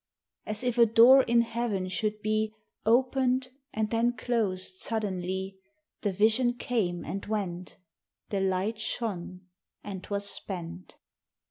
As if a door in heaven should be Opened and then closed suddenly, The vision came and went, The light shone and was spent.